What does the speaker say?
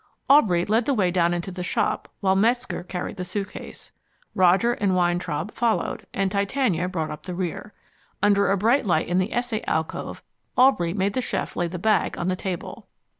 Aubrey led the way down into the shop while Metzger carried the suitcase. Roger and Weintraub followed, and Titania brought up the rear. Under a bright light in the Essay alcove Aubrey made the chef lay the bag on the table.